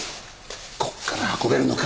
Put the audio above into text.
ここから運べるのか？